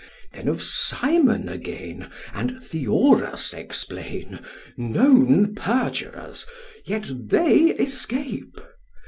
Then of Simon again, and Theorus explain: known perjurers, yet they escape.